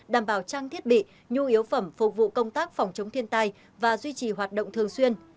đảm bảo trang thiết bị nhu yếu phẩm phục vụ công tác phòng chống thiên tai và duy trì hoạt động thường xuyên